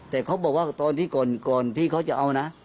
แต่พี่ก่อนที่เขาจะเอา